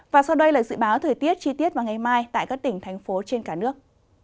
và sau đây là dự báo thời tiết chi tiết vào ngày mai tại các tỉnh thành phố trên cả nước